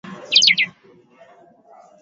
hali ikoje sasa hivi joyce boma